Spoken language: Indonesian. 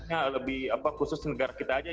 ya lebih apa khusus negara kita aja